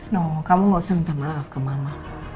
no kamu gak usah minta maaf ke mama